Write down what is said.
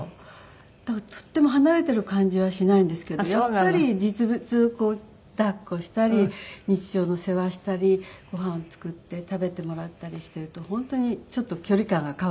だからとっても離れている感じはしないんですけどやっぱり実物を抱っこしたり日常の世話したりご飯を作って食べてもらったりしていると本当にちょっと距離感が変わってきますよね。